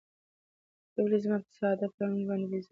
ته ولې زما په ساده پلانونو باندې بې ځایه شک کوې؟